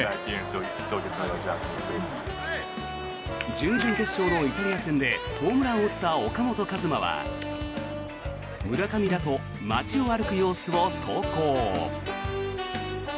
準々決勝のイタリア戦でホームランを打った岡本和真は村上らと街を歩く様子を投稿。